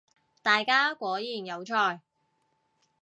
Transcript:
大家果然有才